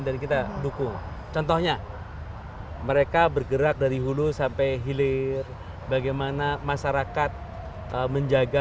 dan kita dukung contohnya mereka bergerak dari hulu sampai hilir bagaimana masyarakat menjaga